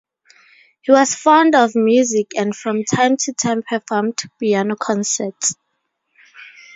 He was fond of music and from time to time performed piano concerts.